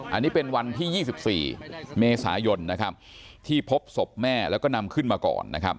อันนี้เป็นวันที่๒๔เมษายนที่พบศพแม่แล้วก็นำขึ้นมาก่อนนะครับ